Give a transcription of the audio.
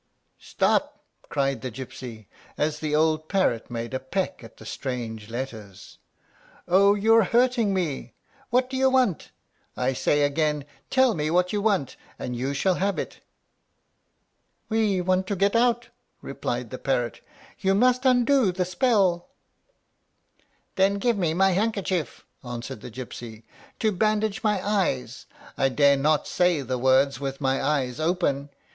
"Stop!" cried the gypsy, as the old parrot made a peck at the strange letters. "Oh! you're hurting me. What do you want? I say again, tell me what you want, and you shall have it." "We want to get out," replied the parrot; "you must undo the spell." "Then give me my handkerchief," answered the gypsy, "to bandage my eyes. I dare not say the words with my eyes open.